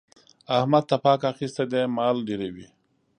احمد تپاک اخيستی دی؛ مال ډېروي.